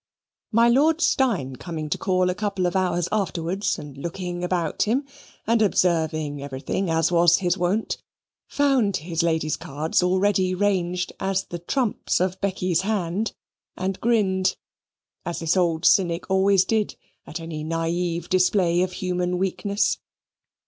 My Lord Steyne coming to call a couple of hours afterwards, and looking about him, and observing everything as was his wont, found his ladies' cards already ranged as the trumps of Becky's hand, and grinned, as this old cynic always did at any naive display of human weakness.